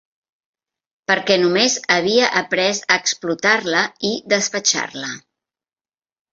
Perquè només havia après a explotar-la i despatxar-la